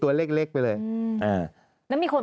แต่ได้ยินจากคนอื่นแต่ได้ยินจากคนอื่น